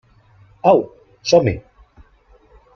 Au, som-hi.